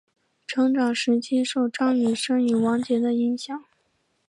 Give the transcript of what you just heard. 成长时期受张雨生与王杰的影响。